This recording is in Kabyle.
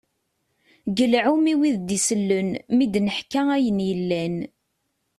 Galɛum i wid d-isellen, mi d-neḥka ayen yellan.